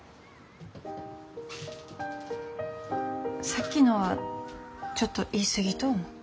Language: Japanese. さっきのはちょっと言い過ぎと思う。